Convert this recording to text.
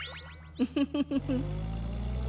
ウフフフフ。